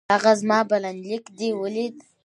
هغه زما بلنليک دې ولېد؟